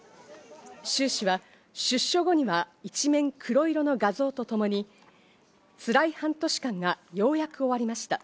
シュウ氏は出所後には一面黒色の画像と共に、つらい半年間がようやく終わりました。